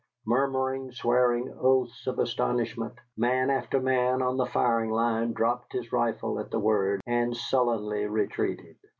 Murmuring, swearing oaths of astonishment, man after man on the firing line dropped his rifle at the word, and sullenly retreated.